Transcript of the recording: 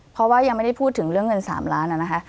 เพราะว่ายังไม่ได้พูดถึงเรื่องเงิน๓ล้านนะคะ